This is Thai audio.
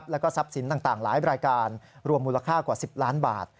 แล้วก็ทรัพย์สินต่างหลายรายการรวมมูลค่ากว่า๑๐ล้านบาท